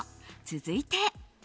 続いて。